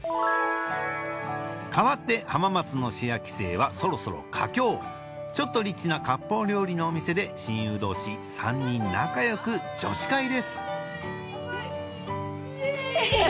変わって浜松のシェア帰省はそろそろ佳境ちょっとリッチな割烹料理のお店で親友同士３人仲良く女子会ですイェイ！